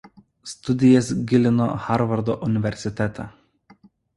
Studijas gilino Harvardo universitete.